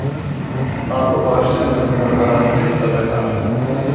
ئاکۆ باشتر لە من بە فەڕەنسی قسە دەکات.